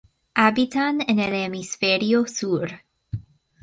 Habitan en el hemisferio sur.